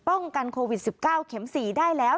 ป้องกันโควิดสิบเก้าเข็มสี่ได้แล้ว